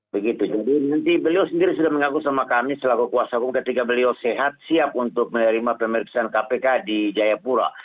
begitu jadi nanti beliau sendiri sudah mengaku sama kami selaku kuasa hukum ketika beliau sehat siap untuk menerima pemeriksaan kpk di jayapura